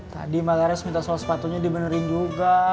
tadi mbak laris minta soal sepatunya dibenerin juga